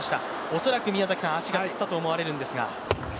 恐らく足がつったと思われるんですが。